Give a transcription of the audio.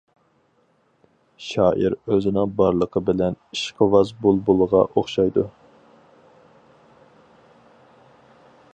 شائىر ئۆزىنىڭ بارلىقى بىلەن ئىشقىۋاز بۇلبۇلغا ئوخشايدۇ.